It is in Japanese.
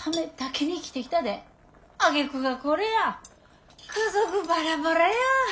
あげくがこれや家族バラバラや。